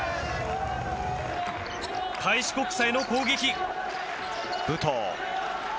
開志国際の攻撃。